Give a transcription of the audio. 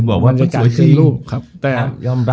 อ่าคืออย่างที่บอกว่าไม่สวยจริง